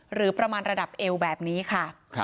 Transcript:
หรือประมาณระดับเอวแบบนี้ค่ะ